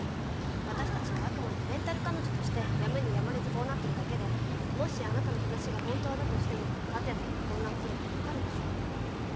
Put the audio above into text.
私たちはあくまでレンタル彼女としてやむにやまれずこうなってるだけでもしあなたの話が本当だとしても和也さんが混乱するのは分かるでしょ？